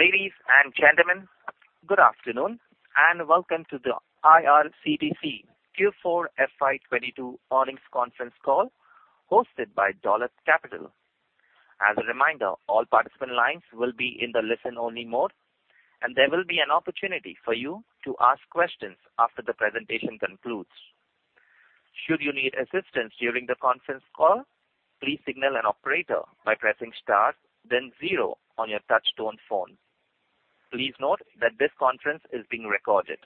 Ladies and gentlemen, good afternoon, and welcome to the IRCTC Q4 FY 2022 earnings conference call hosted by Dolat Capital. As a reminder, all participant lines will be in the listen-only mode, and there will be an opportunity for you to ask questions after the presentation concludes. Should you need assistance during the conference call, please signal an operator by pressing star then zero on your touchtone phone. Please note that this conference is being recorded.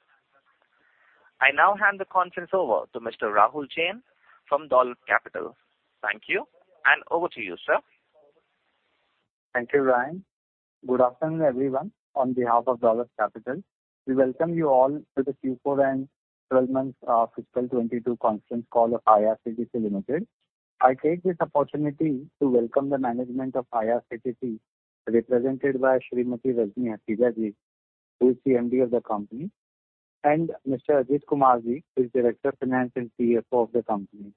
I now hand the conference over to Mr. Rahul Jain from Dolat Capital. Thank you, and over to you, sir. Thank you, Ryan. Good afternoon, everyone. On behalf of Dolat Capital, we welcome you all to the Q4 and twelve months fiscal 2022 conference call of IRCTC Limited. I take this opportunity to welcome the management of IRCTC, represented by Rajni Hasija, who is CMD of the company, and Mr. Ajit Kumar, who is Director of Finance and CFO of the company.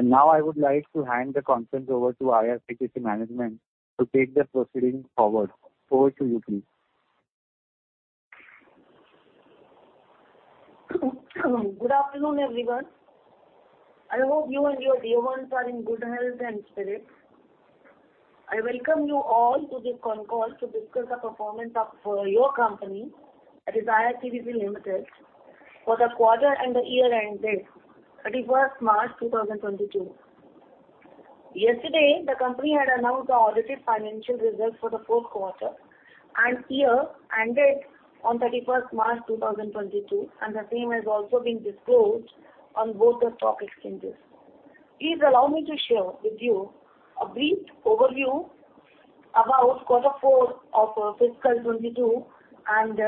Now I would like to hand the conference over to IRCTC management to take the proceedings forward. Over to you, please. Good afternoon, everyone. I hope you and your dear ones are in good health and spirit. I welcome you all to this conference call to discuss the performance of your company, that is IRCTC Limited, for the quarter and the year ended March 31, 2022. Yesterday, the company had announced the audited financial results for the fourth quarter and year ended on March 31st, 2022, and the same has also been disclosed on both the stock exchanges. Please allow me to share with you a brief overview about quarter four of fiscal 2022 and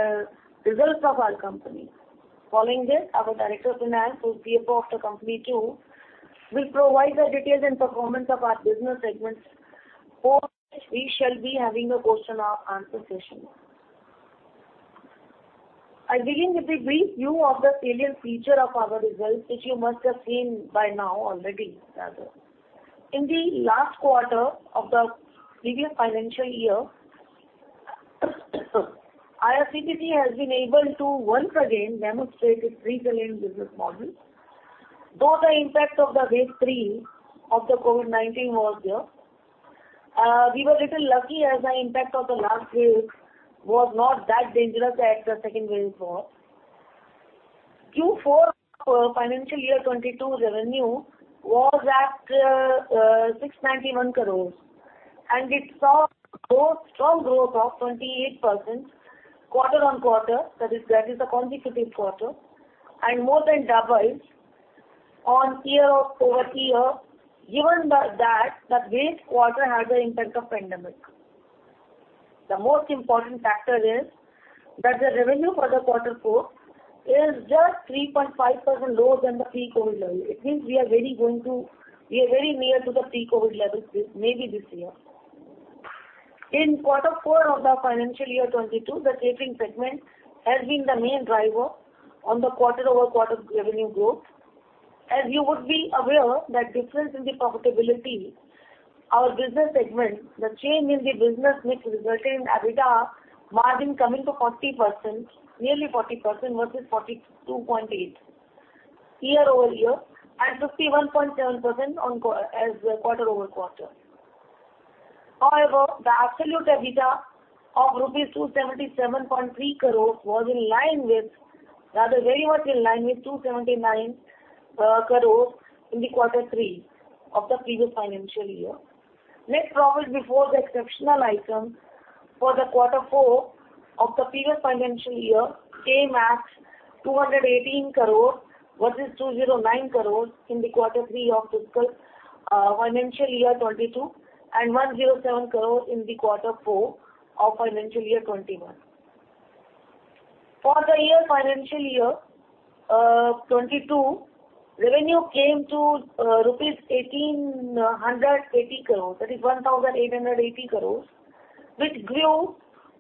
results of our company. Following this, our Director of Finance, who is CFO of the company too, will provide the details and performance of our business segments, for which we shall be having a question and answer session. I begin with a brief view of the salient feature of our results, which you must have seen by now already, rather. In the last quarter of the previous financial year, IRCTC has been able to once again demonstrate its resilient business model. Though the impact of the wave three of the COVID-19 was there, we were a little lucky as the impact of the last wave was not that dangerous as the second wave was. Q4 financial year 2022's revenue was at 691 crores. It saw strong growth of 28% quarter-on-quarter, that is the consecutive quarter, and more than double on year-over-year, given that the base quarter had the impact of pandemic. The most important factor is that the revenue for the quarter four is just 3.5% lower than the pre-COVID level. It means we are very near to the pre-COVID levels this, maybe this year. In quarter four of the financial year 22, the catering segment has been the main driver on the quarter-over-quarter revenue growth. As you would be aware that difference in the profitability, our business segment, the change in the business mix resulted in EBITDA margin coming to 40%, nearly 40% versus 42.8% year-over-year and 51.7% quarter-over-quarter. However, the absolute EBITDA of rupees 277.3 crores was in line with, rather very much in line with 279 crores in the quarter three of the previous financial year. Net profit before the exceptional item for the quarter four of the previous financial year came at 218 crores versus 209 crores in the quarter three of financial year 2022, and 107 crores in the quarter four of financial year 2021. For the financial year 2022, revenue came to rupees 1,880 crores, that is 1,880 crores, which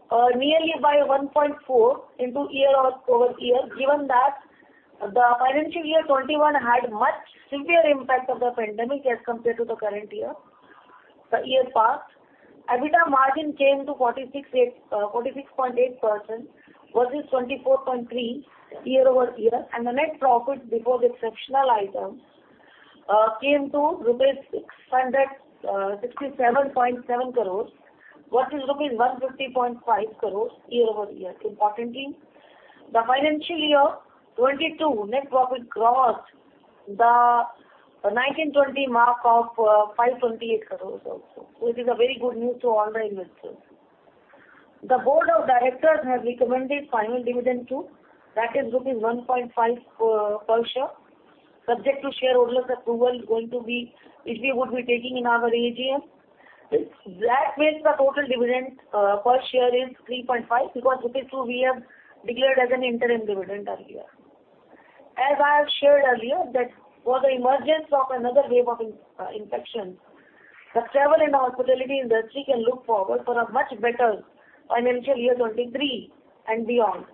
grew nearly by 1.4x year-over-year, given that the financial year 2021 had much severe impact of the pandemic as compared to the current year, the year passed. EBITDA margin came to 46.8% versus 24.3% year-over-year, and the net profit before the exceptional item came to rupees 667.7 crores versus rupees 150.5 crores year-over-year. Importantly, the financial year 2022 net profit crossed the 19-20 mark of 528 crores also, which is a very good news to all the investors. The Board of Directors have recommended final dividend too. That is rupees 1.5 per share, subject to shareholder's approval, which we would be taking in our AGM. That makes the total dividend per share is 3.5, because INR 2 we have declared as an interim dividend earlier. As I have shared earlier that for the emergence of another wave of infection, the travel and hospitality industry can look forward for a much better financial year 2023 and beyond.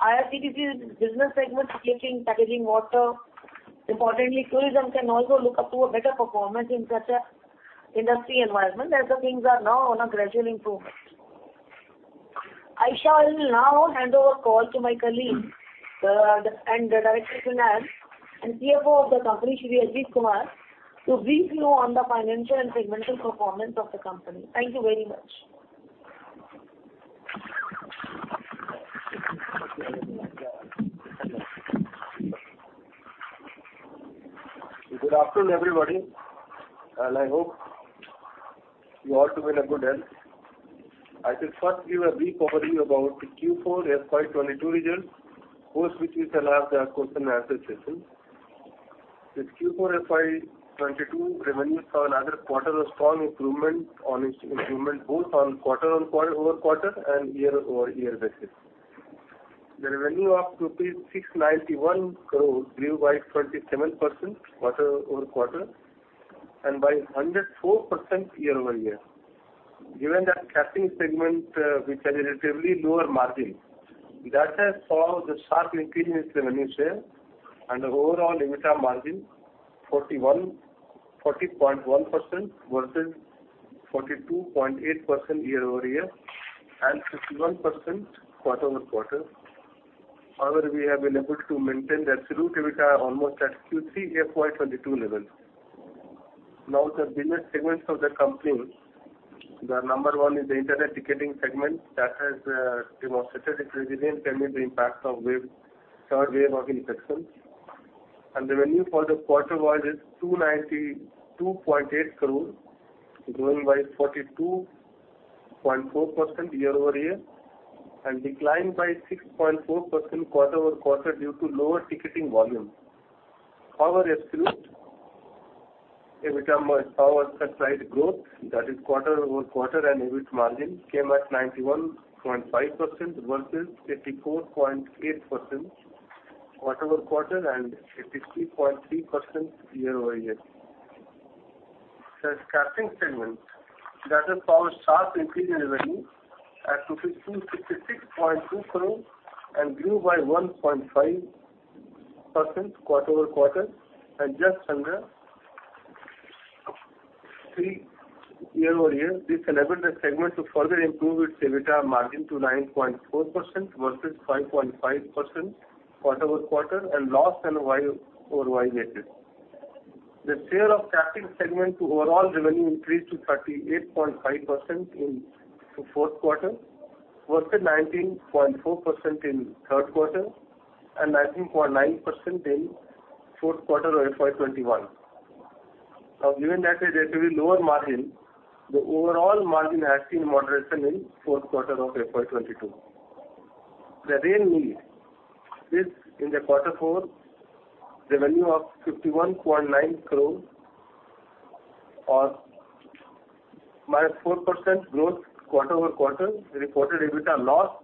IRCTC's business segment, catering, packaged water. Importantly, tourism can also look up to a better performance in such a industry environment as the things are now on a gradual improvement. I shall now hand over call to my colleague, the Director Finance and CFO of the company, Shri Ajit Kumar, to brief you on the financial and segmental performance of the company. Thank you very much. Good afternoon, everybody. I hope you all are doing in good health. I will first give a brief overview about the Q4 FY 2022 results, after which we shall have the question and answer session. With Q4 FY 2022, revenue saw another quarter of strong improvement in its improvement, both on quarter-over-quarter and year-over-year basis. The revenue of rupees 691 crore grew by 27% quarter-over-quarter and by 104% year-over-year. Given that staffing segment with a relatively lower margin that has seen the sharp increase in revenue share and overall EBITDA margin 40.1% versus 42.8% year-over-year and 51% quarter-over-quarter. However, we have been able to maintain the absolute EBITDA almost at Q3 FY 2022 levels. Now the business segments of the company, the number one is the internet ticketing segment that has demonstrated its resilience amid the impact of third wave of infections. Revenue for the quarter was 292.8 crore, growing by 42.4% year-over-year and declined by 6.4% quarter-over-quarter due to lower ticketing volume. However, absolute EBITDA posted a slight growth, that is quarter-over-quarter, and EBIT margin came at 91.5% versus 84.8% quarter-over-quarter and 83.3% year-over-year. The staffing segment that has seen a sharp increase in revenue at 266.2 crore and grew by 1.5% quarter-over-quarter and just under 3% year-over-year. This enabled the segment to further improve its EBITDA margin to 9.4% versus 5.5% quarter-over-quarter and loss on year-over-year basis. The share of staffing segment to overall revenue increased to 38.5% in the fourth quarter versus 19.4% in third quarter and 19.9% in fourth quarter of FY 2021. Now, given that is relatively lower margin, the overall margin has seen moderation in fourth quarter of FY 2022. Rail Neer in the quarter four revenue of 51.9 crore or -4% growth quarter-over-quarter. Reported EBITDA loss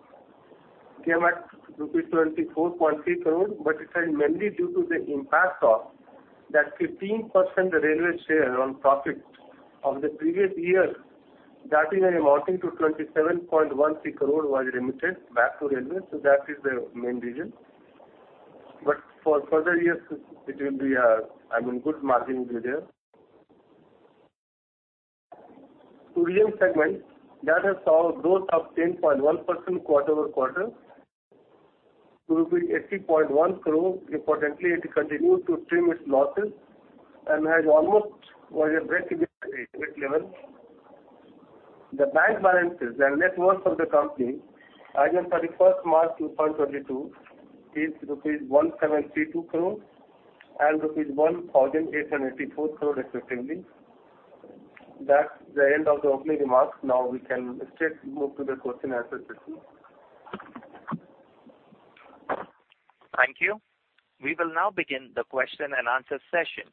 came at rupee 24.3 crore, but it was mainly due to the impact of that 15% railway share on profit of the previous year that is amounting to 27.13 crore was remitted back to railway, so that is the main reason. For further years it will be, I mean, good margin will be there. Tourism segment that has saw a growth of 10.1% quarter-over-quarter to 80.1 crore. Importantly, it continued to trim its losses and has almost was a breakeven level. The bank balances and net worth of the company as on March 31, 2022 is 172 crore and 1,884 crore respectively. That's the end of the opening remarks. Now we can straight move to the question and answer session. Thank you. We will now begin the question and answer session.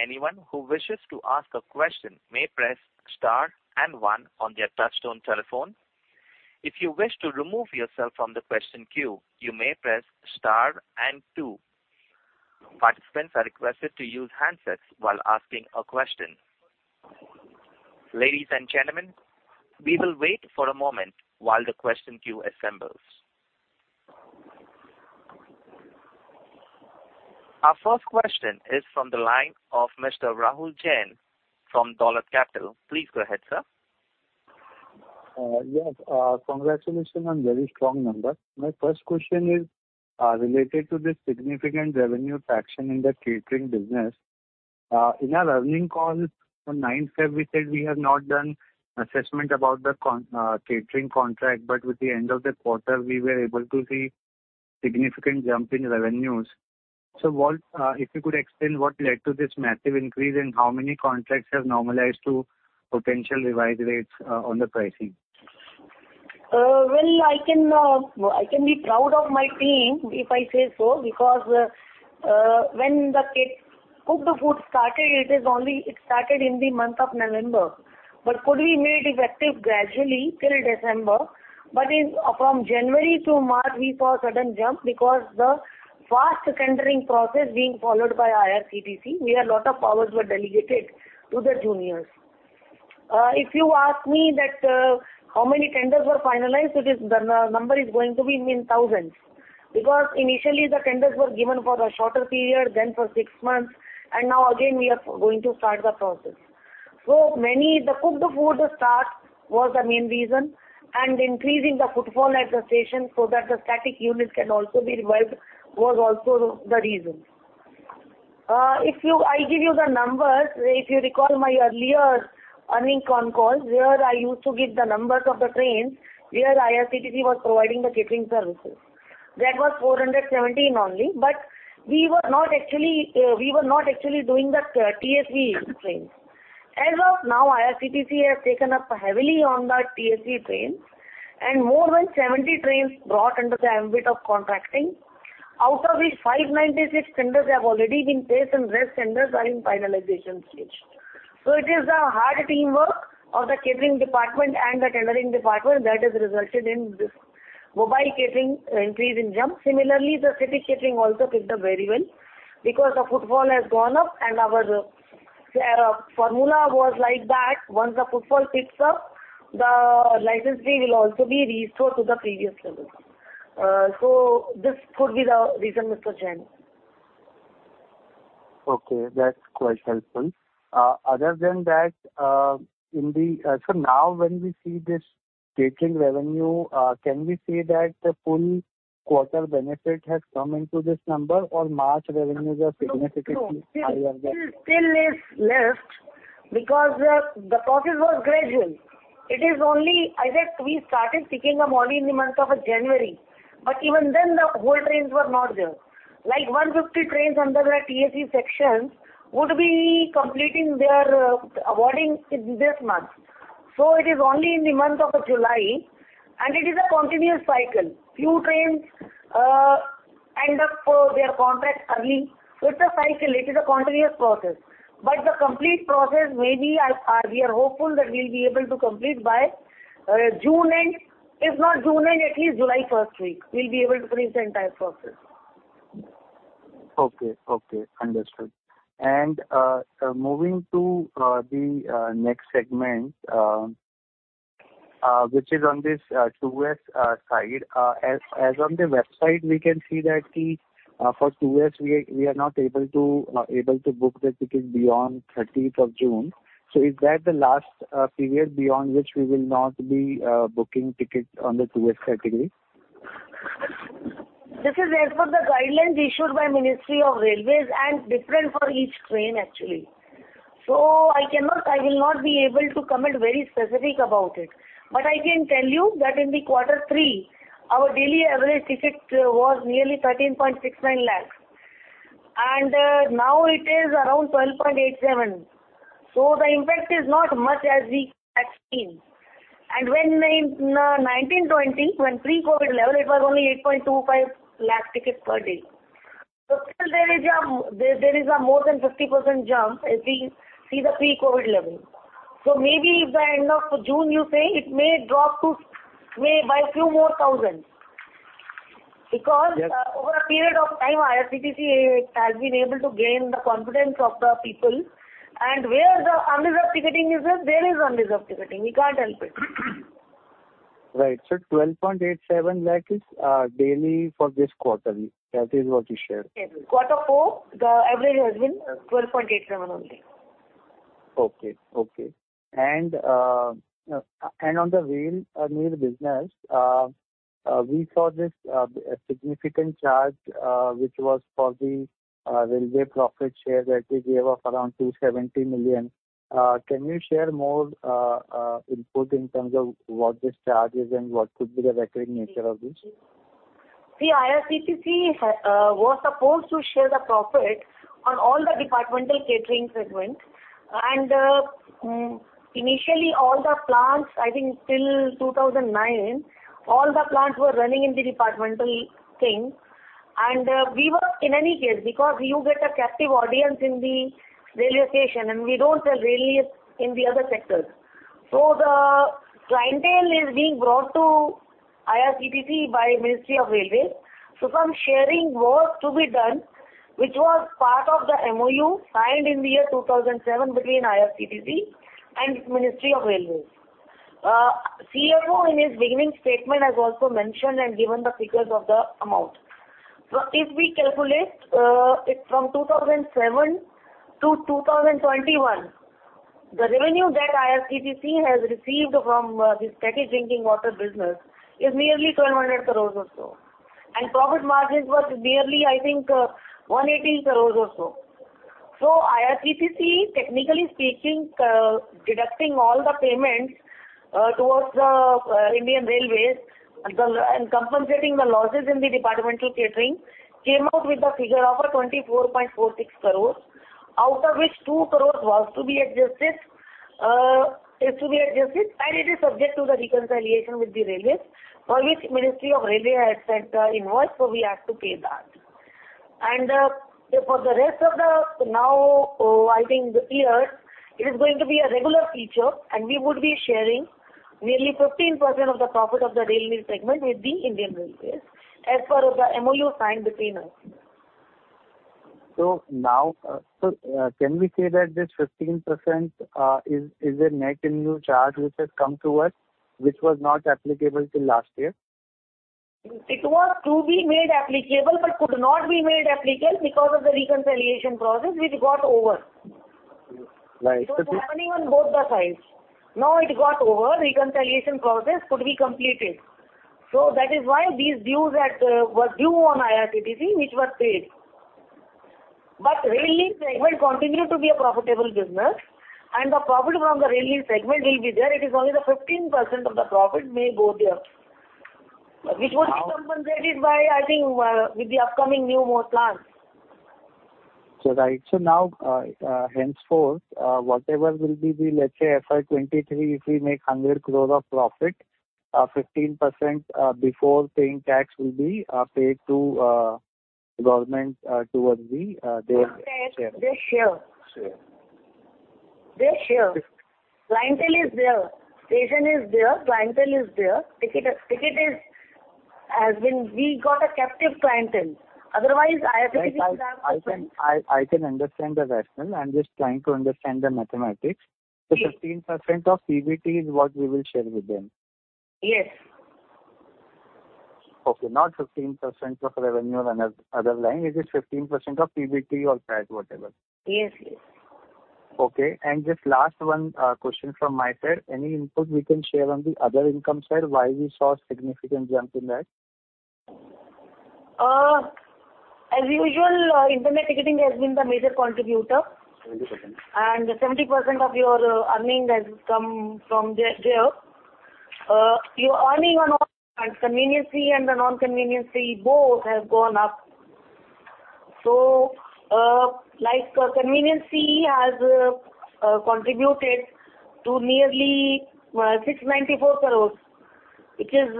Anyone who wishes to ask a question may press star and one on their touchtone telephone. If you wish to remove yourself from the question queue, you may press star and two. Participants are requested to use handsets while asking a question. Ladies and gentlemen, we will wait for a moment while the question queue assembles. Our first question is from the line of Mr. Rahul Jain from Dolat Capital. Please go ahead, sir. Yes, congratulations on very strong numbers. My first question is related to the significant revenue traction in the catering business. In our earnings call on ninth February, we said we have not done assessment about the catering contract, but with the end of the quarter, we were able to see significant jump in revenues. What if you could explain what led to this massive increase and how many contracts have normalized to potential revised rates on the pricing? Well, I can be proud of my team, if I say so, because when the cooked food started, it only started in the month of November. We made it effective gradually till December. From January to March, we saw a sudden jump because the fast tendering process being followed by IRCTC, where a lot of powers were delegated to the juniors. If you ask me how many tenders were finalized, the number is going to be in thousands. Because initially the tenders were given for a shorter period, then for six months, and now again we are going to start the process. The cooked food start was the main reason, and increasing the footfall at the station so that the static units can also be revived, was also the reason. I give you the numbers. If you recall my earlier earnings call, where I used to give the numbers of the trains where IRCTC was providing the catering services. That was 417 only. We were not actually doing the TSE trains. As of now, IRCTC has taken up heavily on the TSE trains and more than 70 trains brought under the ambit of contracting. Out of which 596 tenders have already been placed and rest tenders are in finalization stage. It is the hard teamwork of the catering department and the tendering department that has resulted in this mobile catering increase in jump. Similarly, the static catering also picked up very well because the footfall has gone up and our formula was like that. Once the footfall picks up, the licensing will also be restored to the previous level. This could be the reason, Mr. Jain. Okay, that's quite helpful. Other than that, now when we see this catering revenue, can we say that the full quarter benefit has come into this number or March revenues are significantly higher than that? No. Still is left because the process was gradual. It is only we started seeking them only in the month of January. Even then, the whole trains were not there. Like 150 trains under the TSE section would be completing their awarding this month. It is only in the month of July, and it is a continuous cycle. Few trains end up their contract early. It's a cycle. It is a continuous process. The complete process may be, we are hopeful that we'll be able to complete by June end. If not June end, at least July first week, we'll be able to complete the entire process. Okay. Understood. Moving to the next segment, which is on this 2S side. As on the website, we can see that for 2S we are not able to book the ticket beyond thirteenth of June. Is that the last period beyond which we will not be booking tickets on the 2S category? This is as per the guidelines issued by Ministry of Railways and different for each train actually. I will not be able to comment very specifically about it. I can tell you that in quarter three, our daily average ticket was nearly 13.69 lakhs. Now it is around 12.87 lakhs. The impact is not much as we had seen. In 2019-2020, when pre-COVID level, it was only 8.25 lakh tickets per day. Still there is a more than 50% jump as we see the pre-COVID level. Maybe by end of June, you say, it may drop, maybe by a few more thousand. Because Yes. Over a period of time, IRCTC has been able to gain the confidence of the people. Where the unreserved ticketing is there is unreserved ticketing. We can't help it. Right. 12.87 lakh is daily for this quarter. That is what you shared. Yes. Quarter four, the average has been 12.87 lakh only. On the rail meal business, we saw this significant charge, which was for the railway profit share that we gave of around 270 million. Can you share more input in terms of what this charge is and what could be the recurring nature of this? The IRCTC was supposed to share the profit on all the departmental catering segment. Initially all the plants, I think till 2009, all the plants were running in the departmental thing. We were, in any case, because you get a captive audience in the railway station, and we don't sell rail meals in the other sectors. The clientele is being brought to IRCTC by Ministry of Railways. Some sharing work to be done, which was part of the MoU signed in the year 2007 between IRCTC and Ministry of Railways. CFO in his beginning statement has also mentioned and given the figures of the amount. If we calculate it from 2007 to 2021, the revenue that IRCTC has received from this packaged drinking water business is nearly 1,200 crores or so. Profit margins was nearly, I think, 180 crores or so. IRCTC, technically speaking, deducting all the payments towards the Indian Railways and compensating the losses in the departmental catering, came out with a figure of 24.46 crores, out of which 2 crores is to be adjusted, and it is subject to the reconciliation with the railways for which Ministry of Railways had sent invoice, so we have to pay that. For the rest of the year now, I think it is going to be a regular feature, and we would be sharing nearly 15% of the profit of the railway segment with the Indian Railways, as per the MoU signed between us. Can we say that this 15% is a net new charge which has come to us, which was not applicable till last year? It was to be made applicable, but could not be made applicable because of the reconciliation process which got over. Right. It was happening on both the sides. Now it got over, reconciliation process could be completed. That is why these dues that were due on IRCTC, which were paid. Rail Neer segment continued to be a profitable business and the profit from the Rail Neer segment will be there. It is only the 15% of the profit may go there. Now- Which would be compensated by, I think, with the upcoming new more plans. Right. Now, henceforth, whatever will be the, let's say, FY 2023, if we make 100 crore of profit, 15% before paying tax will be paid to government towards their share. Okay. They share. Share. They share. Clientele is there. Station is there. We got a captive clientele. Otherwise, IRCTC is our. Right. I can understand the rationale. I'm just trying to understand the mathematics. Yes. The 15% of PBT is what we will share with them. Yes. Okay. Not 15% of revenue on other line. It is 15% of PBT or PAT, whatever. Yes, yes. Okay. Just last one, question from my side. Any input we can share on the other income side, why we saw significant jump in that? As usual, internet ticketing has been the major contributor. 70%. 70% of your earnings has come from there. Your earnings on all convenience fee and the non-convenience fee both have gone up. Like, convenience fee has contributed to nearly 694 crores, which is.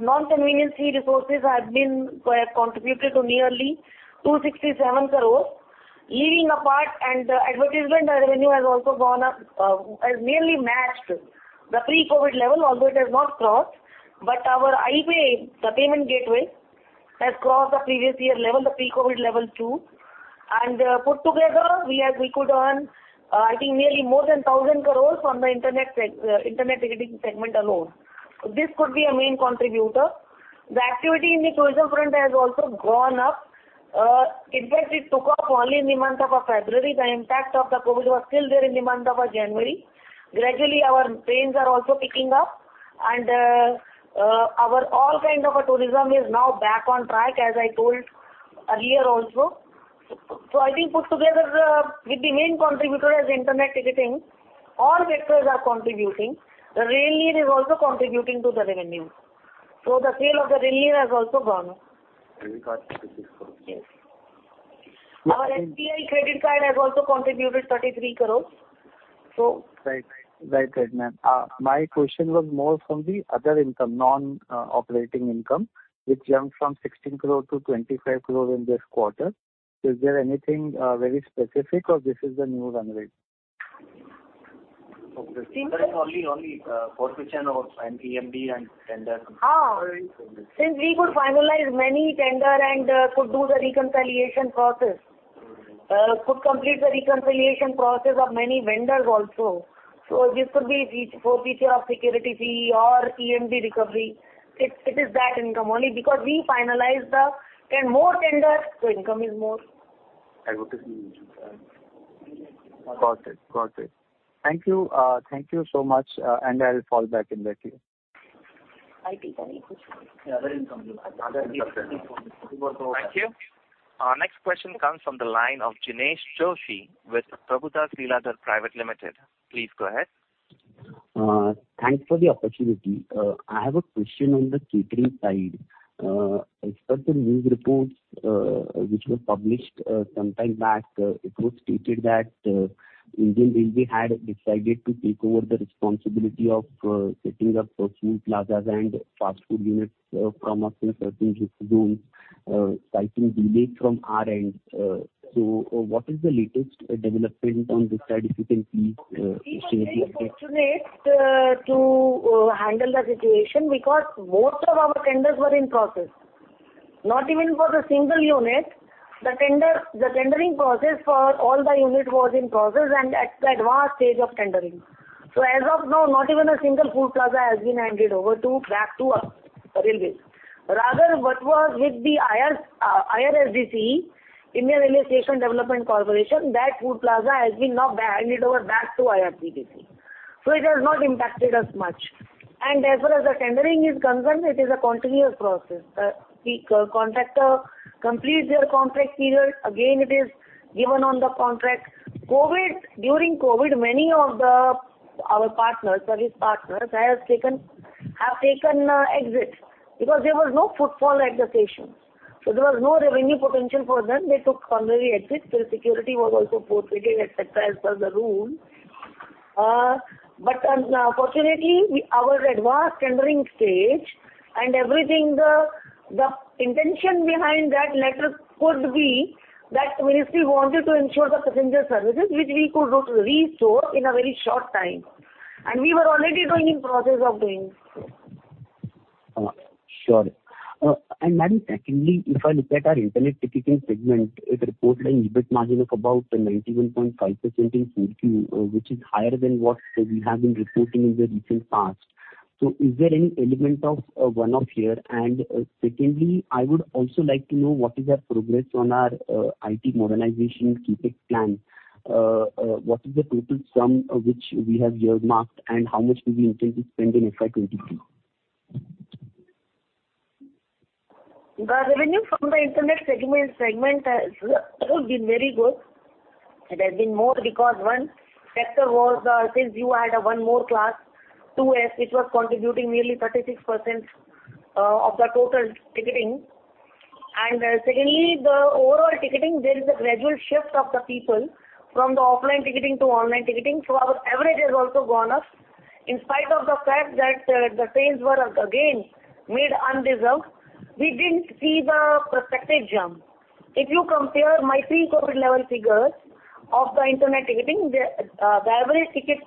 Non-convenience fee revenues have been contributed to nearly 267 crores. Leaving apart, advertisement revenue has also gone up, has nearly matched the pre-COVID level, although it has not crossed. Our iPay, the payment gateway, has crossed the previous year level, the pre-COVID level too. Put together, we could earn, I think nearly more than 1,000 crores from the internet ticketing segment alone. This could be a main contributor. The activity in the tourism front has also gone up. In fact, it took off only in the month of February. The impact of the COVID was still there in the month of January. Gradually, our trains are also picking up. Our all kind of a tourism is now back on track, as I told earlier also. I think put together, with the main contributor as internet ticketing, all vectors are contributing. The Rail Neer is also contributing to the revenue. The sale of the Rail Neer has also gone up. Credit card INR 6 crore. Yes. Our SBI credit card has also contributed 33 crores. Right. As I said, ma'am, my question was more from the other income, non-operating income, which jumped from 16 crore to 25 crore in this quarter. Is there anything very specific or is this the new run rate? Income- Sir, it's only forfeiture of an EMD and tender. Since we could finalize many tenders and could do the reconciliation process. Mm-hmm. Could complete the reconciliation process of many vendors also. This could be the forfeiture of security fee or EMD recovery. It is that income only. Because we finalize more tenders, income is more. Advertising. Got it. Thank you. Thank you so much. I'll fall back in with you. I think any question. The other income. Thank you. Our next question comes from the line of Jinesh Joshi with Prabhudas Lilladher Private Limited. Please go ahead. Thanks for the opportunity. I have a question on the catering side. As per the news reports, which were published some time back, it was stated that Indian Railways had decided to take over the responsibility of setting up food plazas and fast food units from us in certain zones, citing delay from our end. What is the latest development on this side, if you can please share with us? We were very fortunate to handle the situation because most of our tenders were in process. Not even for the single unit. The tendering process for all the unit was in process and at the advanced stage of tendering. As of now, not even a single food plaza has been handed over back to us, the railways. Rather, what was with the IRSDC, Indian Railway Stations Development Corporation, that food plaza has been now handed over back to IRCTC. It has not impacted us much. As far as the tendering is concerned, it is a continuous process. The contractor completes their contract period. Again, it is given on the contract. During COVID, many of our partners, service partners, have taken exit because there was no footfall at the station. There was no revenue potential for them. They took voluntary exit. The security was also forfeited, etc., as per the rule. Fortunately, our advanced tendering stage and everything, the intention behind that letter could be that ministry wanted to ensure the passenger services, which we could restore in a very short time. We were already going in process of doing so. Sure. Madam, secondly, if I look at our internet ticketing segment, it reports an EBIT margin of about 91.5% in Q4, which is higher than what we have been reporting in the recent past. Is there any element of one-off here? Secondly, I would also like to know what is our progress on our IT modernization CapEx plan. What is the total sum which we have earmarked, and how much do we intend to spend in FY 2023? The revenue from the internet segment has been very good. It has been more because one factor was, since you had one more class, 2S, which was contributing nearly 36% of the total ticketing. Secondly, the overall ticketing, there is a gradual shift of the people from the offline ticketing to online ticketing. Our average has also gone up. In spite of the fact that the trains were, again, made underserved, we didn't see the percentage jump. If you compare my pre-COVID level figures of the internet ticketing, the average ticket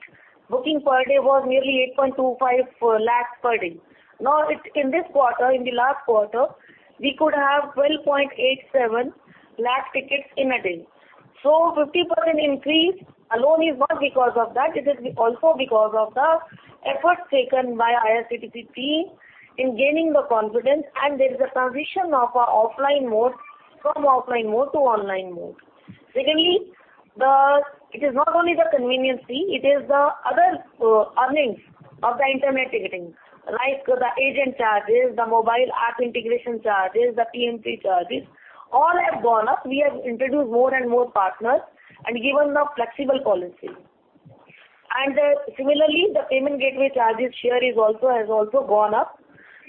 booking per day was nearly 8.25 lakhs per day. Now in this quarter, in the last quarter, we could have 12.87 lakh tickets in a day. 50% increase alone is not because of that. It is also because of the efforts taken by IRCTC team in gaining the confidence, and there is a transition from offline mode to online mode. Secondly, it is not only the convenience, it is the other earnings of the internet ticketing, like the agent charges, the mobile app integration charges, the PMP charges, all have gone up. We have introduced more and more partners and given a flexible policy. Similarly, the payment gateway charges share has also gone up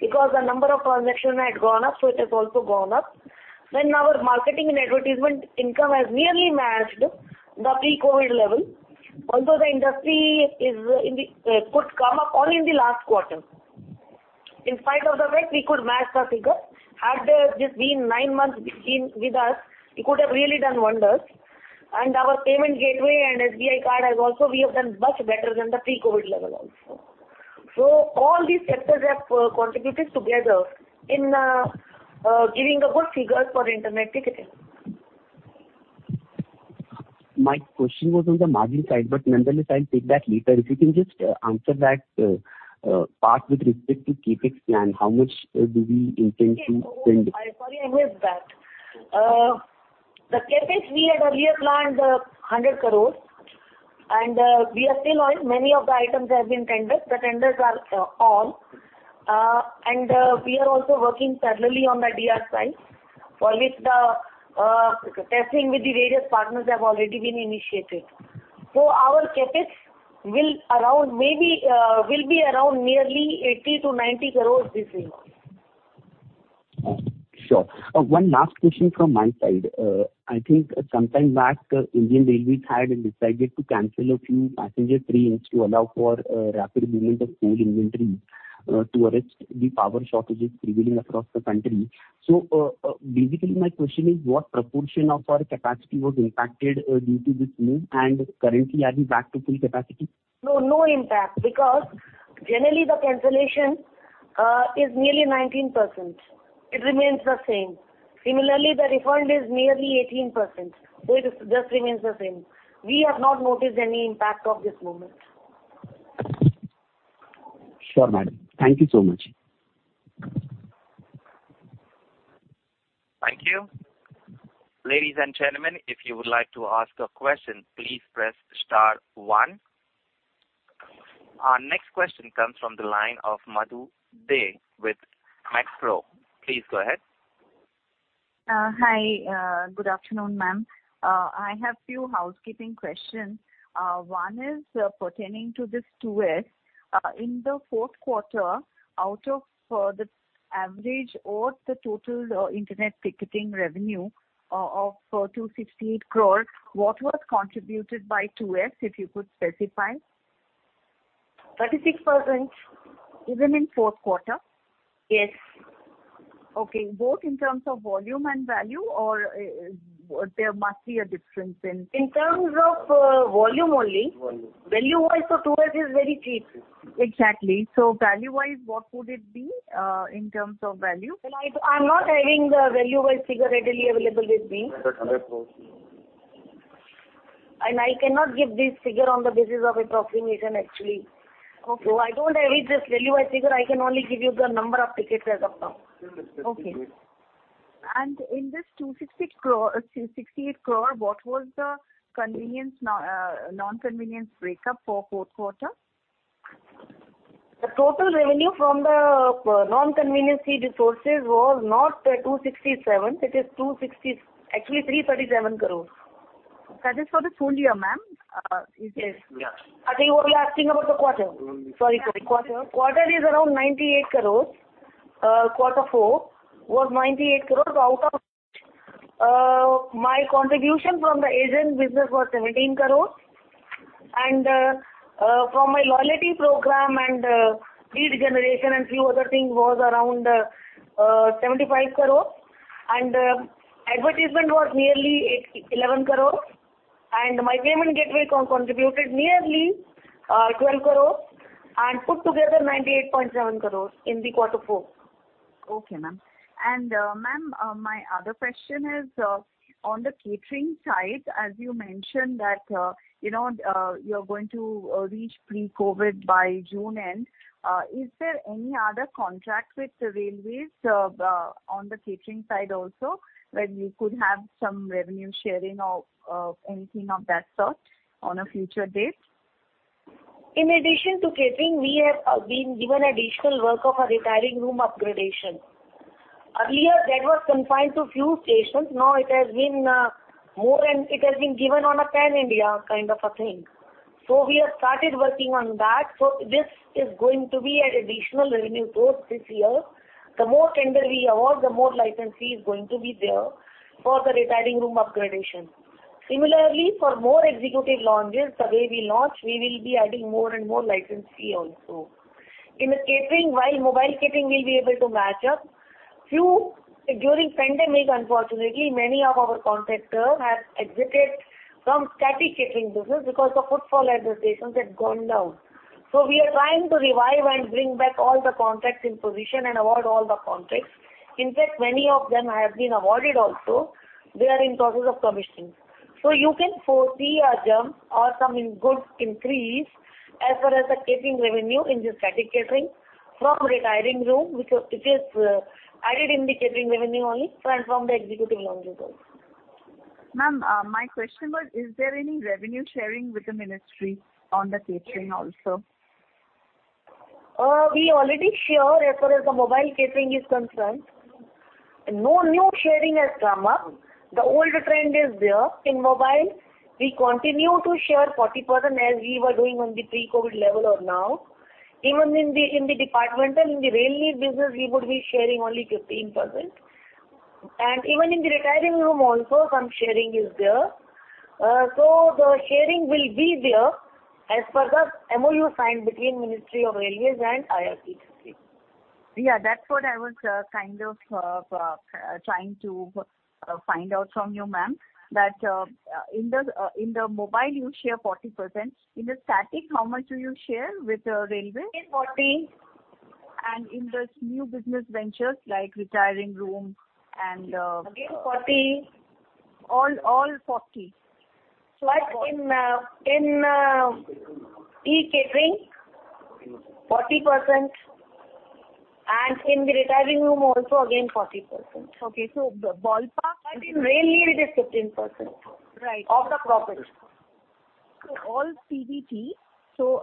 because the number of transactions had gone up, so it has also gone up. Our marketing and advertisement income has nearly matched the pre-COVID level. Although the industry could come up only in the last quarter. In spite of the fact we could match the figure. Had this been 9 months with us, we could have really done wonders. Our payment gateway and SBI Card has also. We have done much better than the pre-COVID level also. All these sectors have contributed together in giving the good figures for internet ticketing. My question was on the margin side, but nonetheless, I'll take that later. If you can just answer that part with respect to CapEx plan. How much do we intend to spend? Okay. I'm sorry, I missed that. The CapEx we had earlier planned, 100 crore. We are still on. Many of the items have been tendered. The tenders are on. We are also working parallelly on the DR side, for which the testing with the various partners have already been initiated. Our CapEx will be around nearly 80 crore-90 crore this year. Sure. One last question from my side. I think some time back, Indian Railways had decided to cancel a few passenger trains to allow for rapid movement of coal inventory to arrest the power shortages prevailing across the country. Basically my question is what proportion of our capacity was impacted due to this move, and currently are we back to full capacity? No, no impact because generally the cancellation is nearly 19%. It remains the same. Similarly, the refund is nearly 18%. It just remains the same. We have not noticed any impact of this movement. Sure, madam. Thank you so much. Thank you. Ladies and gentlemen, if you would like to ask a question, please press star one. Our next question comes from the line of Madhu Dey with MC Pro. Please go ahead. Hi. Good afternoon, ma'am. I have few housekeeping questions. One is pertaining to this 2S. In the fourth quarter, out of the average or the total internet ticketing revenue of 268 crore, what was contributed by 2S, if you could specify? 36%. Even in fourth quarter? Yes. Okay. Both in terms of volume and value, there must be a difference in- In terms of volume only. Volume. Value-wise, 2S is very cheap. Exactly. Value-wise, what would it be, in terms of value? Well, I'm not having the value-wise figure readily available with me. I cannot give this figure on the basis of approximation, actually. Okay. I don't have it, this value-wise figure. I can only give you the number of tickets as of now. Okay. In this 268 crore, what was the convenience, non-convenience breakup for fourth quarter? The total revenue from the non-conventional resources was not 267 crores. It is actually 337 crores. That is for the full year, ma'am. Yes. Yeah. I think what you're asking about the quarter. Quarter is around 98 crore. Quarter four was 98 crore out of which my contribution from the agent business was 17 crore. From my loyalty program and lead generation and few other things was around 75 crore. Advertisement was nearly 11 crore. My payment gateway contributed nearly 12 crore and put together 98.7 crore in quarter four. Okay, ma'am. Ma'am, my other question is on the catering side, as you mentioned that you know you're going to reach pre-COVID by June end. Is there any other contract with the railways on the catering side also, where you could have some revenue sharing or anything of that sort on a future date? In addition to catering, we have been given additional work of a retiring room upgradation. Earlier that was confined to few stations. Now it has been more and it has been given on a Pan India kind of a thing. We have started working on that. This is going to be an additional revenue source this year. The more tender we award, the more licensee is going to be there for the retiring room upgradation. Similarly, for more executive lounges, the way we launch, we will be adding more and more licensee also. In the catering, while mobile catering will be able to match up. During pandemic unfortunately, many of our contractors have exited from static catering business because the footfall at the stations had gone down. We are trying to revive and bring back all the contracts in position and award all the contracts. In fact, many of them have been awarded also. They are in process of commissioning. You can foresee a jump or some good increase as far as the catering revenue in the static catering from retiring room, which it is, added in the catering revenue only and from the executive lounges also. Ma'am, my question was, is there any revenue sharing with the ministry on the catering also? We already share as far as the mobile catering is concerned. No new sharing has come up. The old trend is there. In mobile we continue to share 40% as we were doing on the pre-COVID level or now. Even in the departmental in the railway business we would be sharing only 15%. Even in the retiring room also some sharing is there. The sharing will be there as per the MoU signed between Ministry of Railways and IRCTC. Yeah, that's what I was kind of trying to find out from you, ma'am, that in the mobile you share 40%. In the static, how much do you share with the Railways? Again 40%. In the new business ventures like retiring room and Again 40%. All 40%. In e-catering 40% and in the retiring room also again 40%. Okay. Ballpark. In railway it is 15%. Right. Of the profit.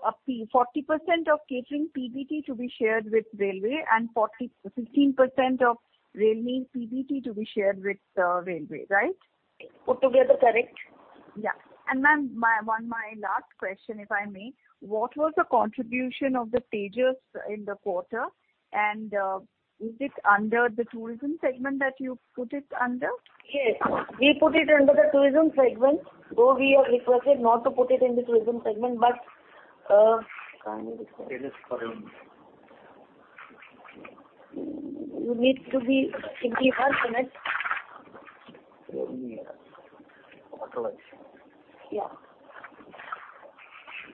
Up to 40% of catering PBT to be shared with the Railways and 15% of Railways PBT to be shared with the Railways, right? Put together, correct. Yeah. Ma'am, my one last question, if I may. What was the contribution of the Tejas in the quarter? Is it under the tourism segment that you put it under? Yes, we put it under the tourism segment, though we have requested not to put it in the tourism segment. Tejas Forum. You need to be in the earth, isn't it? Yeah. Auto FX. Yeah.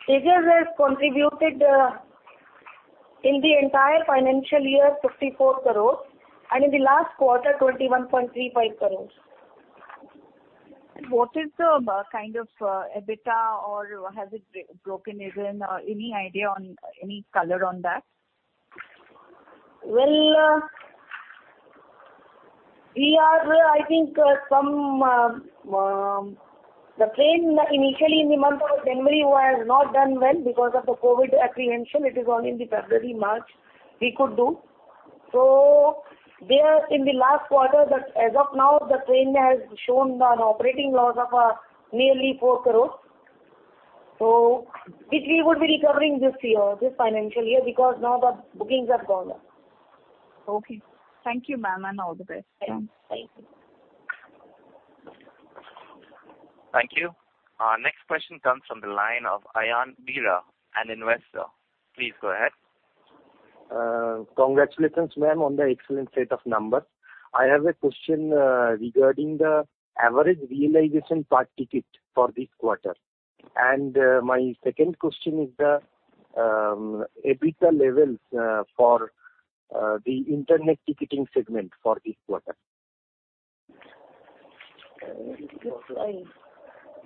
Tejas has contributed in the entire financial year 54 crores and in the last quarter 21.35 crores. What is the kind of EBITDA or has it broken even? Any idea on any color on that? Well, I think the train initially in the month of January was not done well because of the COVID apprehension. It is only in February, March we could do so there in the last quarter. As of now the train has shown an operating loss of nearly 4 crore. Which we would be recovering this year, this financial year, because now the bookings have gone up. Okay. Thank you, ma'am, and all the best. Yeah. Thank you. Thank you. Our next question comes from the line of Ayan Bira, an investor. Please go ahead. Congratulations, ma'am, on the excellent set of numbers. I have a question regarding the average realization per ticket for this quarter. My second question is the EBITDA levels for the internet ticketing segment for this quarter.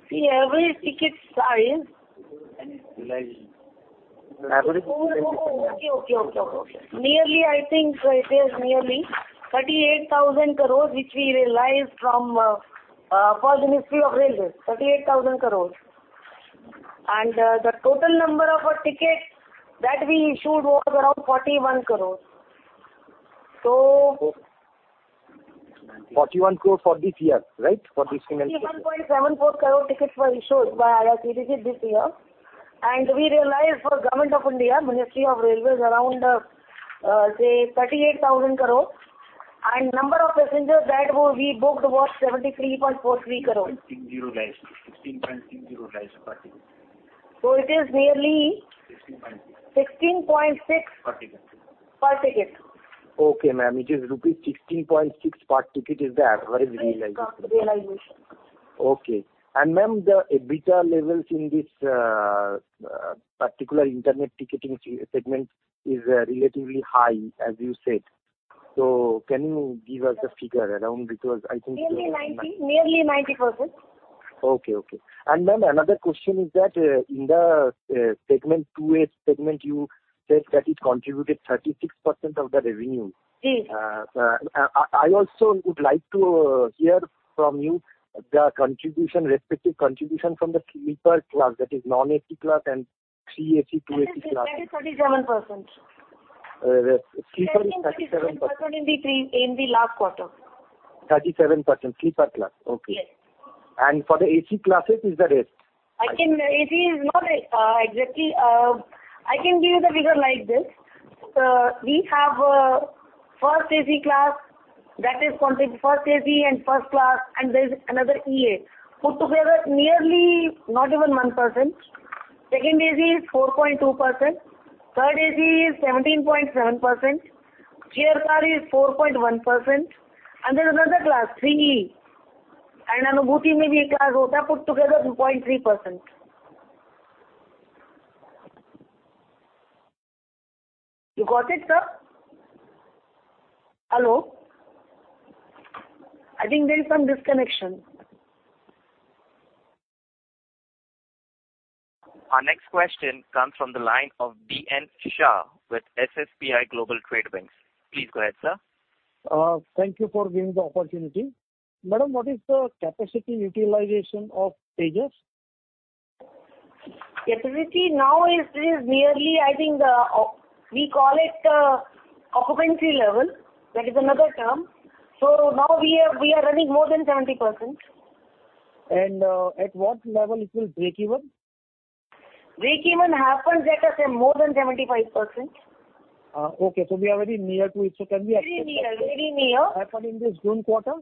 See average ticket size. Realization. Average realization. Okay. Nearly, I think it is nearly 38,000 crore which we realized from the Ministry of Railways. The total number of tickets that we issued was around 41 crore. 41 crore for this year, right? For this financial year. 71.74 crore tickets were issued by IRCTC this year. We realized for Government of India, Ministry of Railways around, say 38,000 crore. Number of passengers that we booked was 73.43 crore. INR 16.30 crore realized. INR 16.30 crore realized per ticket. It is nearly. 16.6 crore. INR 16.6 crore. Per ticket. Per ticket. Okay, ma'am. It is rupees 16.6 crore per ticket is the average realization. Realization. Okay. Ma'am, the EBITDA levels in this particular internet ticketing segment is relatively high, as you said. Can you give us the figure around? Because I think- Nearly 90%. Okay. Ma'am, another question is that, in the segment, two-way segment, you said that it contributed 36% of the revenue. Yes. I also would like to hear from you the respective contribution from the sleeper class, that is, non-AC class and 3 AC, 2 AC class. That is 37%. Sleeper is 37%. 37% in the last quarter. 37% sleeper class. Okay. Yes. For the AC classes is the rest. I can give you the figure like this. We have first AC class that is called first AC and first class, and there's another EA. Put together nearly not even 1%. Second AC is 4.2%. Third AC is 17.7%. Chair car is 4.1%. There's another class, 3E. Anubhuti may be a class, put together 2.3%. You got it, sir? Hello? I think there is some disconnection. Our next question comes from the line of DN Shah with SBI Global Trade Banks. Please go ahead, sir. Thank you for giving the opportunity. Madam, what is the capacity utilization of Tejas? Capacity now is nearly I think we call it occupancy level. That is another term. Now we are running more than 70%. At what level it will break even? Breakeven happens at more than 75%. Okay, so we are very near to it. Can we Very near. Happen in this June quarter?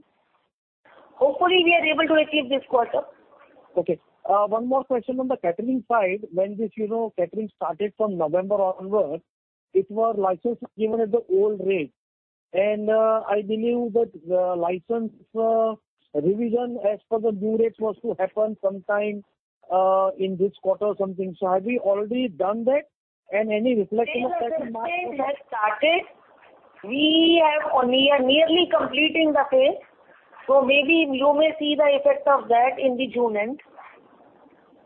Hopefully, we are able to achieve this quarter. Okay. One more question on the catering side. When this, you know, catering started from November onwards, it was licensed even at the old rate. I believe that the license revision as per the due dates was to happen sometime in this quarter or something. Have you already done that? Any reflection of that in March quarter? It has started. We are nearly completing the phase. Maybe you may see the effect of that in the June end.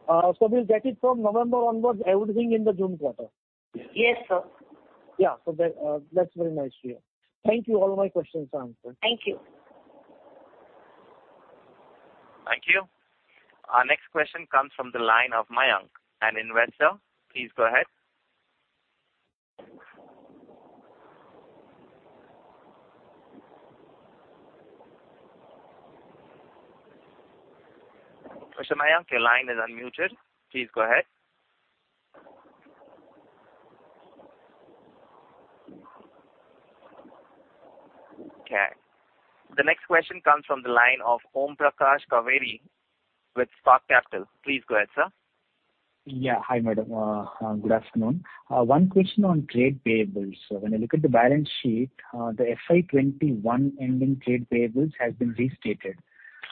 We'll get it from November onwards, everything in the June quarter. Yes, sir. Yeah. That, that's very nice to hear. Thank you. All my questions are answered. Thank you. Thank you. Our next question comes from the line of Mayank, an investor. Please go ahead. Mr. Mayank, your line is unmuted. Please go ahead. Okay. The next question comes from the line of Om Prakash Kavadi with Spark Capital. Please go ahead, sir. Yeah. Hi, madam. Good afternoon. One question on trade payables. When I look at the balance sheet, the FY 2021 ending trade payables has been restated.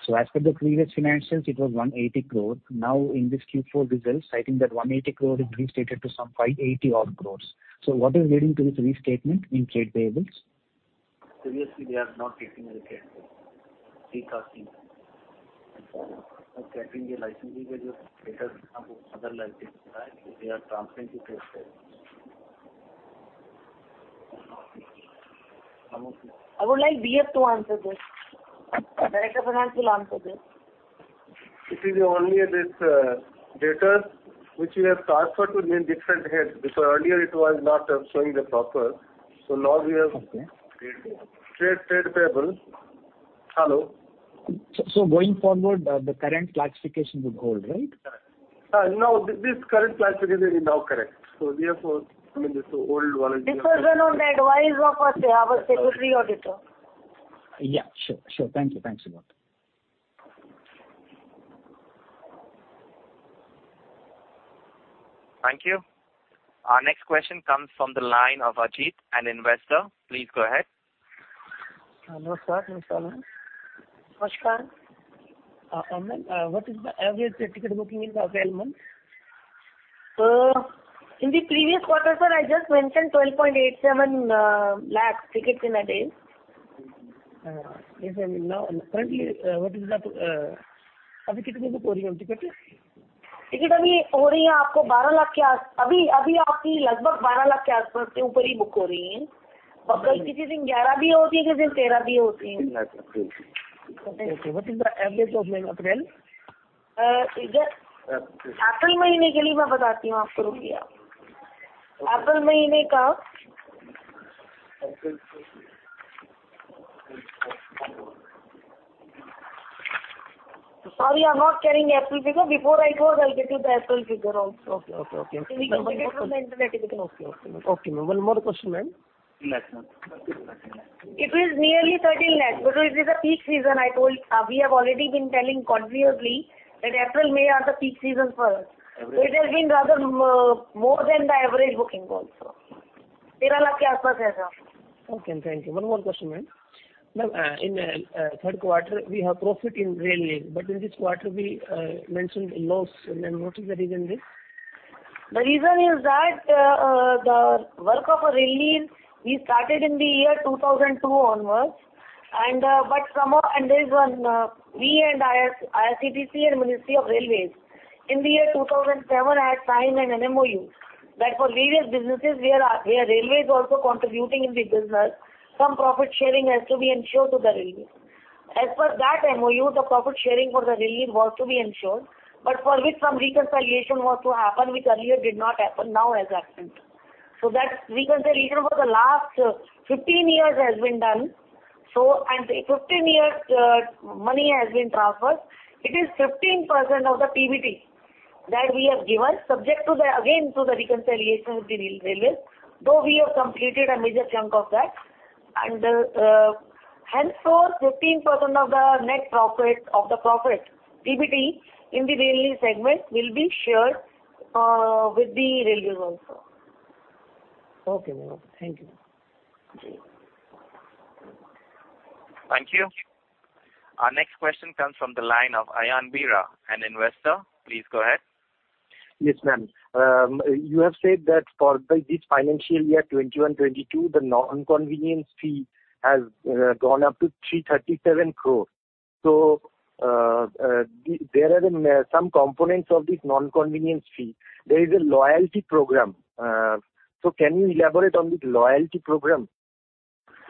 As per the previous financials, it was 180 crores. Now, in this Q4 results, I think that 180 crores is restated to some 580 odd crores. What is leading to this restatement in trade payables? Previously, we are not taking the trade payables. We thought they are transferring to trade payables. I would like DF to answer this. Director Finance will answer this. It is only this data which we have transferred within different heads. Because earlier it was not showing properly. Now we have- Okay. Trade payables. Hello? Going forward, the current classification would hold, right? No, this current classification is now correct. We have, I mean, this old one. This was on the advice of our statutory auditor. Yeah, sure. Thank you. Thanks a lot. Thank you. Our next question comes from the line of Ayan Bira, an investor. Please go ahead. Namaskar, Ms. Hasija. Namaskar. What is the average ticket booking in the 12 months? In the previous quarter, sir, I just mentioned 12.87 lakhs tickets in a day. Yes, I mean now, currently, what is the average of month April? Sorry, I'm not carrying April figure. Before I go, I'll get you the April figure also. Okay, ma'am. One more question, ma'am. It is nearly 13 lakhs. Because it is a peak season, we have already been telling continuously that April, May are the peak season for us. Every- It has been rather more than the average booking also. Okay. Thank you. One more question, ma'am. Ma'am, in third quarter, we have profit in Rail Neer, but in this quarter we mentioned loss. Then what is the reason this? The reason is that the work of a Rail Neer we started in the year 2002 onwards. We and IRCTC and Ministry of Railways in the year 2007 had signed a MoU that for various businesses where railway is also contributing in the business, some profit sharing has to be ensured to the railway. As per that MoU, the profit sharing for the railway was to be ensured, for which some reconciliation was to happen, which earlier did not happen, now has happened. We can say reason for the last 15 years has been done. 15 years money has been transferred. It is 15% of the PBT that we have given subject to reconciliation with the railways, though we have completed a major chunk of that. Henceforth, 15% of the net profit, of the profit, PBT in the railway segment will be shared with the railways also. Okay, ma'am. Thank you. Ji. Thank you. Our next question comes from the line of Ayan Bira, an investor. Please go ahead. Yes, ma'am. You have said that for this financial year, 2021-2022, the convenience fee has gone up to 337 crore. There are some components of this convenience fee. There is a loyalty program. Can you elaborate on this loyalty program?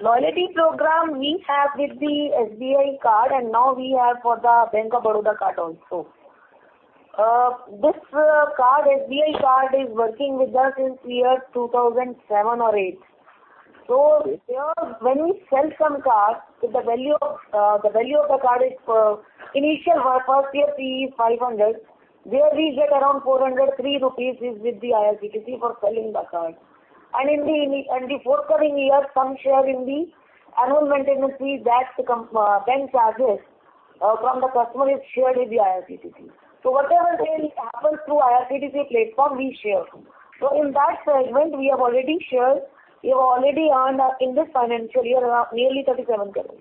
Loyalty program we have with the SBI Card, and now we have for the Bank of Baroda card also. This card, SBI Card is working with us since 2007 or 2008. There, when we sell some card with the value of, the value of the card is, initial or first year fee is 500 crore. There we get around 403 rupees is with the IRCTC for selling the card. In the forthcoming year, some share in the annual maintenance fee that the bank charges from the customer is shared with the IRCTC. Whatever sale happens through IRCTC platform we share. In that segment we have already shared, we have already earned in this financial year around nearly 37 crore.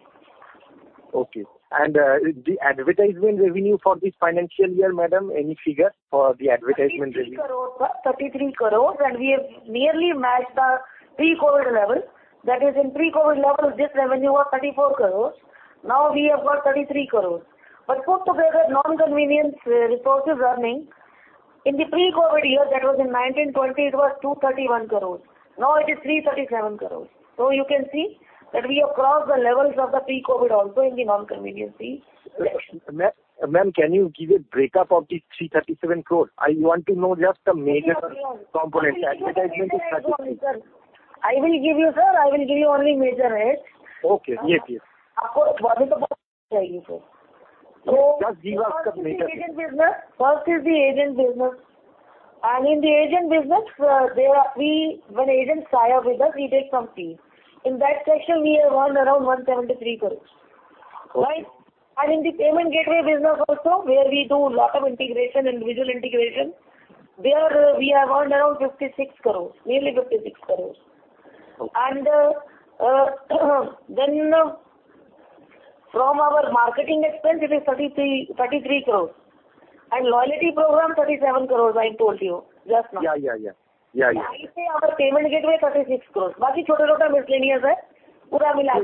Okay. The advertisement revenue for this financial year, madam, any figure for the advertisement revenue? INR 33 crores, sir. INR 33 crores, and we have nearly matched the pre-COVID level. That is, in pre-COVID level, this revenue was 34 crores. Now we have got 33 crores. But put together non-convenience revenues running, in the pre-COVID year, that was in 2019-20, it was 231 crores. Now it is 337 crores. You can see that we have crossed the levels of the pre-COVID also in the non-convenience fee section. Ma'am, can you give a breakdown of the INR 337 crore? I want to know just the major components. Advertisement is thirty- I will give you, sir. I will give you only major heads. Okay. Yes, yes. First is the agent business. In the agent business, when agents tie up with us, we take some fees. In that section we have earned around 173 crores. Right. In the payment gateway business also where we do lot of integration, individual integration, there we have earned around 56 crores, nearly 56 crores. From our marketing expense it is 33 crores. Loyalty program, 37 crores, I told you just now. Yeah, yeah. Yeah, yeah. ICICI, our payment gateway, 36 crore. Okay. Becomes INR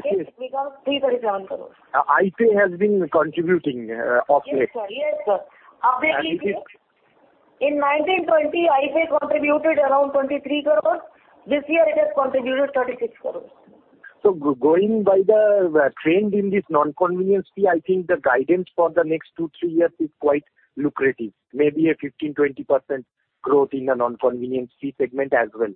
337 crores. ICICI has been contributing of late. Yes, sir. Yes, sir. And it is- In 2019-20, ICICI contributed around 23 crore. This year it has contributed 36 crore. Going by the trend in this non-convenience fee, I think the guidance for the next two, three years is quite lucrative. Maybe a 15%-20% growth in the non-convenience fee segment as well.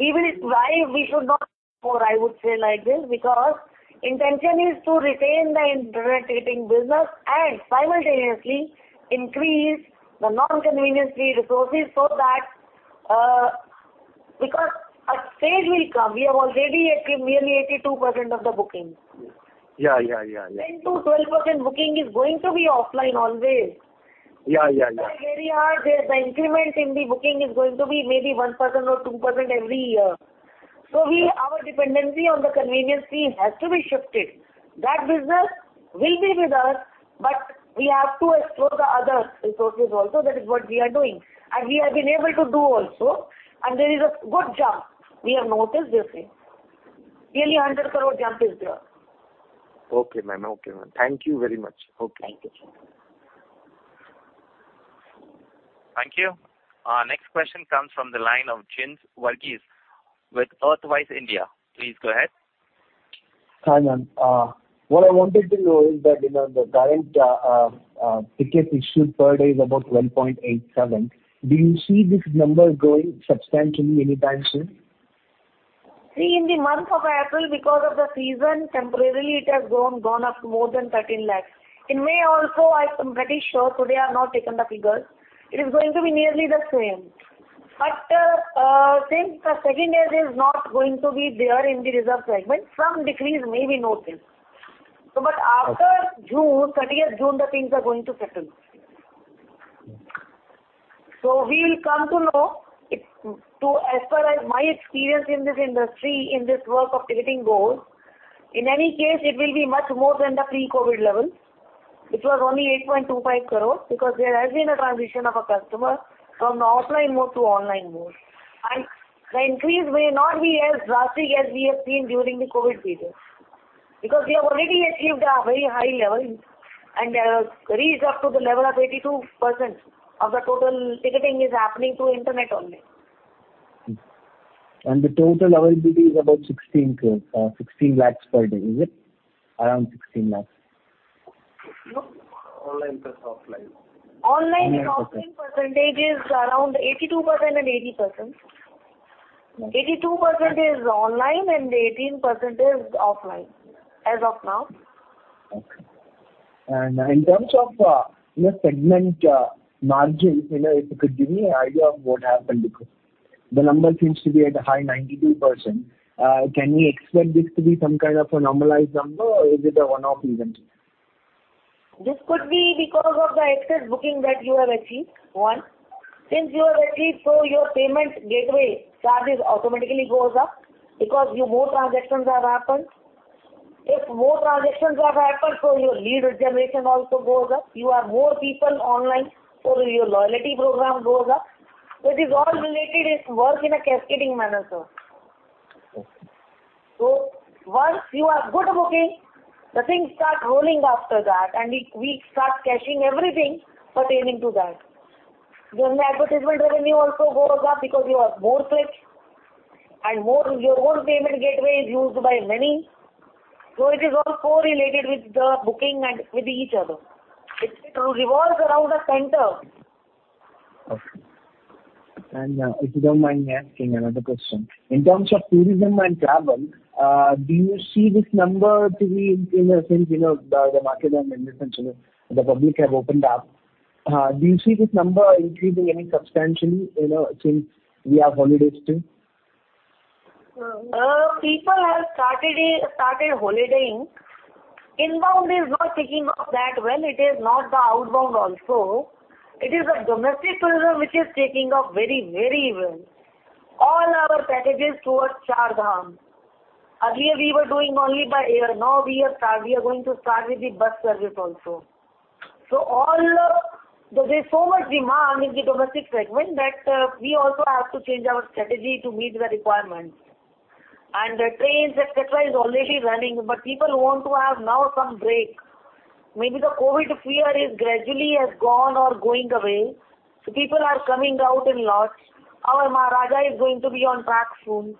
Even why we should not grow, I would say like this, because intention is to retain the internet ticketing business and simultaneously increase the non-convenience fee revenues so that, because a stage will come, we have already nearly 82% of the booking. Yeah, yeah, yeah. 10%-12% booking is going to be offline always. Yeah, yeah. It's very hard, the increment in the booking is going to be maybe 1% or 2% every year. Our dependency on the convenience fee has to be shifted. That business will be with us, but we have to explore the other resources also. That is what we are doing. We have been able to do also. There is a good jump we have noticed this year. Nearly 100 crore jump is there. Okay, ma'am. Thank you very much. Okay. Thank you, sir. Thank you. Our next question comes from the line of Jin Varghese with Earthwise India. Please go ahead. Hi, ma'am. What I wanted to know is that, you know, the current tickets issued per day is about 1.87 lakh. Do you see this number growing substantially anytime soon? See, in the month of April, because of the season, temporarily it has gone up to more than 13 lakh. In May also, I'm pretty sure, today I've not taken the figures, it is going to be nearly the same. But I think the second is not going to be there in the reserved segment. Some decrease may be noticed. Okay. By June 30, the things are going to settle. We will come to know as per my experience in this industry, in this work of ticketing goals, in any case it will be much more than the pre-COVID levels. It was only 8.25 crore because there has been a transition of a customer from the offline mode to online mode. The increase may not be as drastic as we have seen during the COVID period, because we have already achieved a very high level and reached up to the level of 82% of the total ticketing is happening through internet only. The total availability is about 16 crore, 16 lakhs per day. Is it around 16 lakhs? No. Online plus offline. Online and offline percentage is around 82% and 18%. 82% is online and 18% is offline, as of now. Okay. In terms of your segment margin, you know, if you could give me an idea of what happened. The number seems to be at a high 92%. Can we expect this to be some kind of a normalized number, or is it a one-off event? This could be because of the excess booking that you have achieved. Since you have achieved, so your payment gateway charges automatically goes up because more transactions have happened. If more transactions have happened, so your lead generation also goes up. You have more people online, so your loyalty program goes up. It is all related. It work in a cascading manner, sir. Okay. Once you are good at booking, the things start rolling after that and we start caching everything pertaining to that. The advertisement revenue also goes up because you have more clicks and more. Your own payment gateway is used by many. It is all correlated with the booking and with each other. It revolves around a center. Okay. If you don't mind me asking another question. In terms of tourism and travel, do you see this number to be in a sense, you know, the market and in the sense the public have opened up. Do you see this number increasing any substantially, you know, since we have holidays too? People have started holidaying. Inbound is not taking off that well. It is not the outbound also. It is the domestic tourism which is taking off very, very well. All our packages towards Char Dham. Earlier we were doing only by air. Now we are going to start with the bus service also. There's so much demand in the domestic segment that we also have to change our strategy to meet the requirements. The trains, et cetera, is already running. People want to have now some break. Maybe the COVID fear is gradually has gone or going away, so people are coming out in lots. Our Maharajas' Express is going to be on track soon.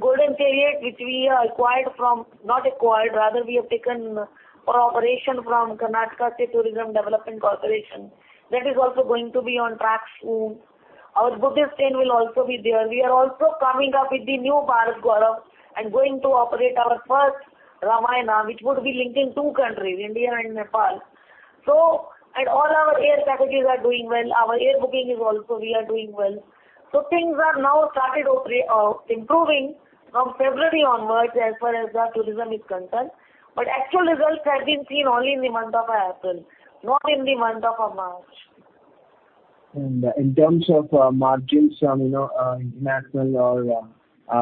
Golden Chariot, which we acquired from. Not acquired, rather we have taken for operation from Karnataka State Tourism Development Corporation. That is also going to be on track soon. Our Buddhist train will also be there. We are also coming up with the new Bharat Gaurav and going to operate our first Ramayana, which would be linking two countries, India and Nepal. All our air packages are doing well. Our air booking is also, we are doing well. Things are now started improving from February onwards as far as the tourism is concerned. Actual results have been seen only in the month of April, not in the month of March. In terms of margins from, you know, national or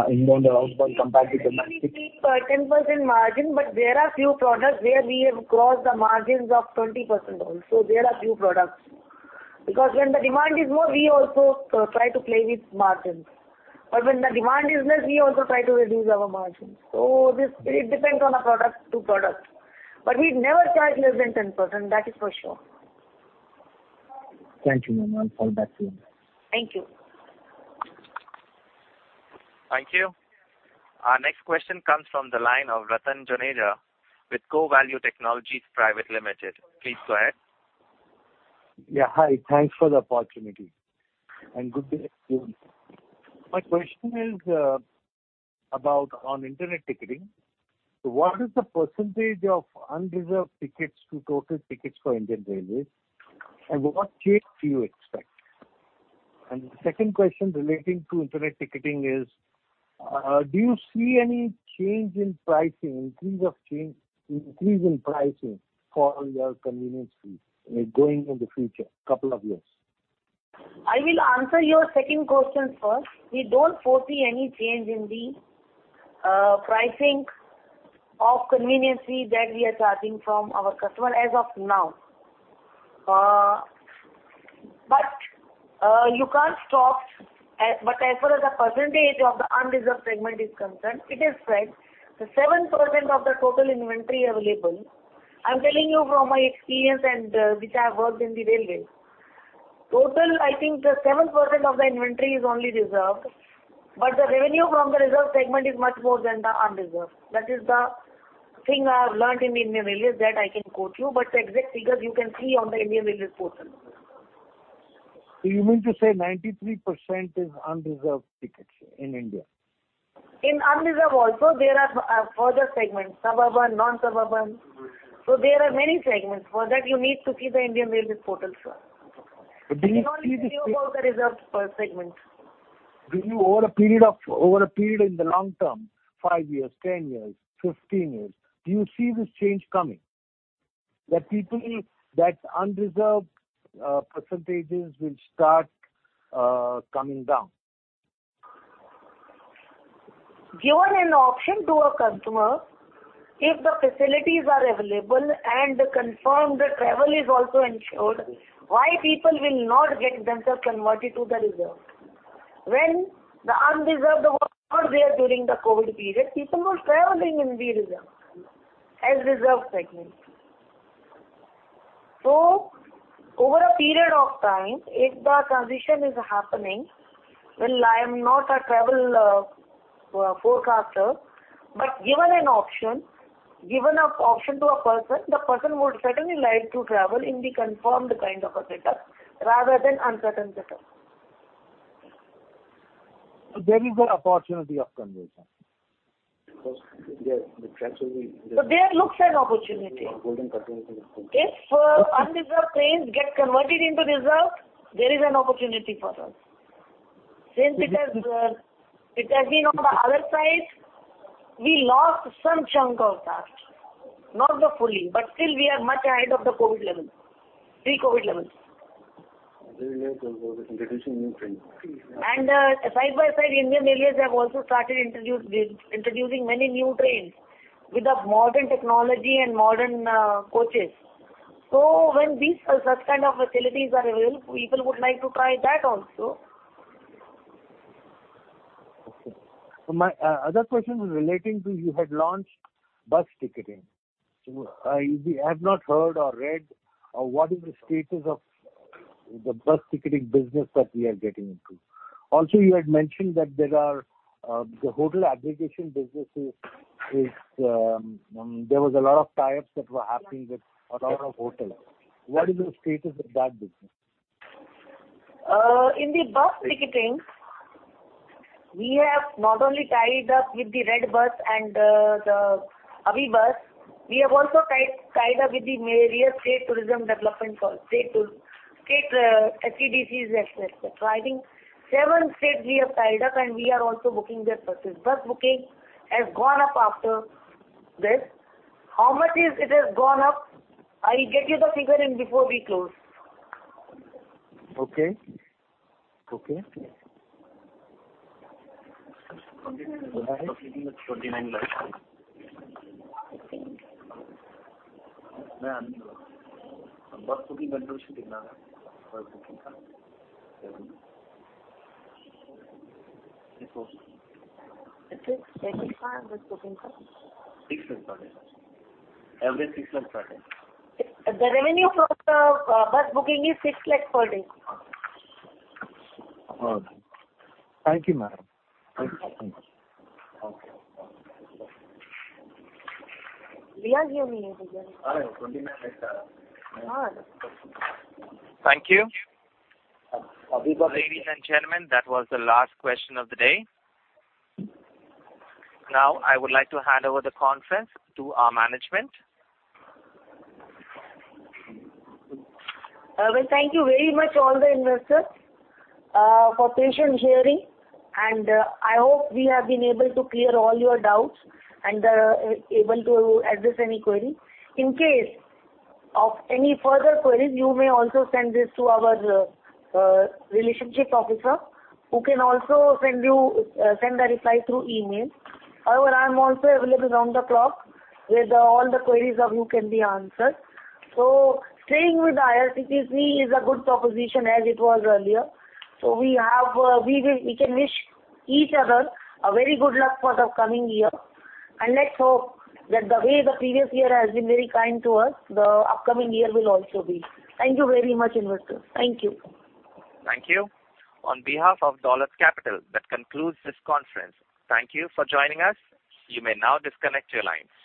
inbound or outbound compared to domestic. Generally we keep 10% margin, but there are few products where we have crossed the margins of 20% also. There are few products. When the demand is more, we also try to play with margins. When the demand is less, we also try to reduce our margins. This, it depends on a product to product. We never charge less than 10%, that is for sure. Thank you, ma'am. I'll fall back to you. Thank you. Thank you. Our next question comes from the line of Rattan Joneja with Co Value Technologies Private Limited. Please go ahead. Yeah. Hi. Thanks for the opportunity and good day to you. My question is about on internet ticketing. What is the percentage of unreserved tickets to total tickets for Indian Railways, and what change do you expect? The second question relating to internet ticketing is, do you see any change in pricing, increase in pricing for your convenience fee going in the future, couple of years? I will answer your second question first. We don't foresee any change in the pricing of convenience fee that we are charging from our customer as of now. As far as the percentage of the unreserved segment is concerned, it is correct. The 7% of the total inventory available. I'm telling you from my experience and which I have worked in the railway. Total, I think the 7% of the inventory is only reserved, but the revenue from the reserved segment is much more than the unreserved. That is the thing I have learned in Indian Railways that I can quote you. The exact figures you can see on the Indian Railways portal. Do you mean to say 93% is unreserved tickets in India? In unreserved also there are further segments, suburban, non-suburban. There are many segments. For that you need to see the Indian Railways portal, sir. Do you see this? We can only tell you about the reserved per segment. Do you, over a period in the long term, five years, 10 years, 15 years, do you see this change coming? That unreserved percentages will start coming down. Given an option to a customer, if the facilities are available and the confirmed travel is also ensured, why people will not get themselves converted to the reserved. When the unreserved were not there during the COVID period, people were traveling in the reserved, as reserved segment. Over a period of time, if the transition is happening, well, I am not a travel forecaster. Given an option to a person, the person would certainly like to travel in the confirmed kind of a setup rather than uncertain setup. There is an opportunity of conversion. Because the trends will be- There looks an opportunity. If unreserved trains get converted into reserved, there is an opportunity for us. Since it has been on the other side, we lost some chunk of that. Not the fully, but still we are much ahead of the COVID level, pre-COVID level. Side by side, Indian Railways have also started introducing many new trains with the modern technology and modern coaches. When such kind of facilities are available, people would like to try that also. My other question was relating to you had launched bus ticketing. We have not heard or read what is the status of the bus ticketing business that we are getting into. Also, you had mentioned the hotel aggregation business. There was a lot of tie-ups that were happening with a lot of hotels. What is the status of that business? In the bus ticketing, we have not only tied up with the redBus and the AbhiBus, we have also tied up with the various state tourism development called state STDCs, et cetera. I think seven states we have tied up, and we are also booking their buses. Bus booking has gone up after this. How much is it has gone up, I'll get you the figure in before we close. Okay. The revenue for the bus booking is 6 lakh per day. All right. Thank you, madam. Thank you. Okay. We are giving you the details. Thank you. Ladies and gentlemen, that was the last question of the day. Now, I would like to hand over the conference to our management. Well, thank you very much to all the investors for patient hearing, and I hope we have been able to clear all your doubts and able to address any query. In case of any further queries, you may also send them to our relationship officer, who can also send you a reply through email. However, I am also available round the clock, and all the queries you have can be answered. Staying with IRCTC is a good proposition as it was earlier. We can wish each other a very good luck for the coming year. Let's hope that the way the previous year has been very kind to us, the upcoming year will also be. Thank you very much, investors. Thank you. Thank you. On behalf of Dolat Capital, that concludes this conference. Thank you for joining us. You may now disconnect your lines.